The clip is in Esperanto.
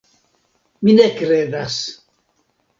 Mi ne kredas!